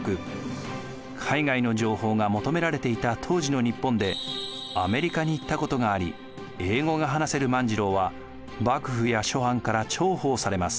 海外の情報が求められていた当時の日本でアメリカに行ったことがあり英語が話せる万次郎は幕府や諸藩から重宝されます。